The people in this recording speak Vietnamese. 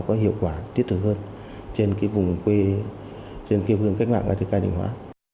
có hiệu quả tiết thực hơn trên vùng cách mạng của thị trường định hóa